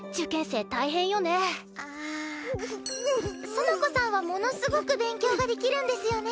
園子さんはものすごく勉強ができるんですよね？